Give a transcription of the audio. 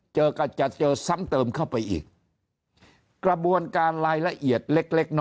เจอก็จะเจอซ้ำเติมเข้าไปอีกกระบวนการลายละเอียดเล็ก